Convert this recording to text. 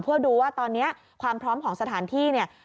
เพื่อดูว่าตอนนี้ความพร้อมของสถานที่เนี่ย